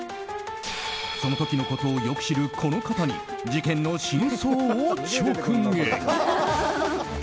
その時のことをよく知るこの方に事件の真相を直撃。